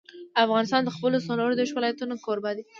افغانستان د خپلو څلور دېرش ولایتونو کوربه دی.